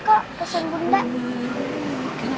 mbak bunda inget ya